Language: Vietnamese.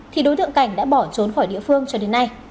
thì đối tượng cảnh đã bỏ trốn khỏi địa phương cho đến nay